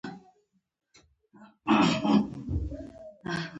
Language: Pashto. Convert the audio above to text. په اوس زمانه کې هر څوک په ښه او بده پوهېږي.